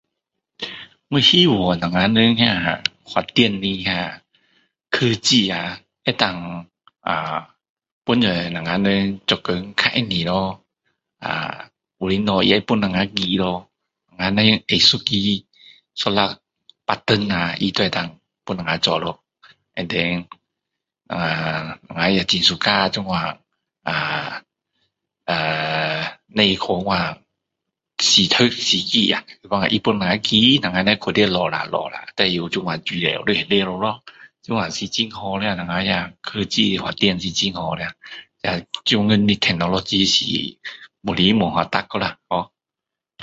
我希望我们那发展的那科技啊，能够[ahh]帮助我们做工较容易咯。[ahh]有的东西也帮我们记囖。我们只要按一个，一粒button啦它就能够做咯。And then我们，我们也很喜欢这样[ahh][ahh]不必去那样死读死记啊，一半下它也能够keyin,我们能在里面找啦找啦，就能有我们的资料在里面了咯。这样是很好的啊我们那科技发展是很好的啊。当今technology就越来越发达了啊！